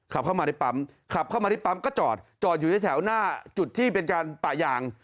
ขับเข้ามาในปั๊มขับเข้ามาที่ปั๊มก็จอดจอดอยู่ในแถวหน้าจุดที่เป็นการปะยาง